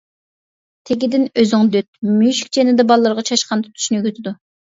-تېگىدىن ئۆزۈڭ دۆت، مۈشۈك جېنىدا بالىلىرىغا چاشقان تۇتۇشنى ئۆگىتىدۇ.